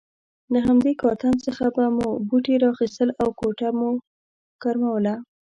له همدې کارتن څخه به مو بوټي را اخیستل او کوټه به مو ګرموله.